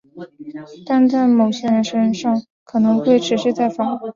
但在某些人身上可能会持续再发。